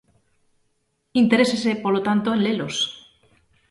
Interésese, polo tanto, en lelos.